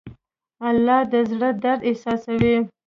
الله د زړه درد احساسوي.